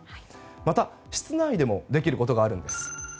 また、室内でもできることがあるんです。